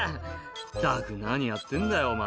「ったく何やってんだよお前」